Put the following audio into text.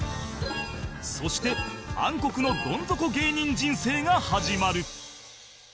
そして暗黒のどん底芸人人生が始まる